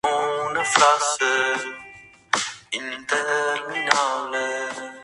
Su infancia transcurrió en el barrio porteño de Flores.